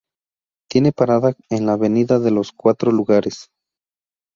Tiene parada en la Avenida de los Cuatro Lugares.